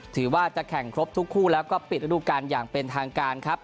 ถือว่าจะแข่งครบทุกคู่แล้วก็ปิดระดูการอย่างเป็นทางการครับ